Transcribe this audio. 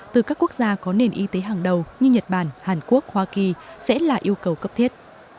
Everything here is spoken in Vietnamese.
từ các quốc gia có nền y tế hàng đầu như nhật bản hàn quốc hoa kỳ sẽ là yêu cầu cấp thiết